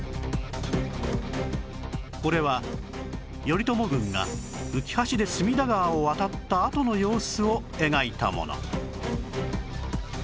これは頼朝軍が浮き橋で隅田川を渡ったあとの様子を描いたもの